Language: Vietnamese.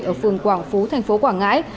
ở phố tp quảng ngãi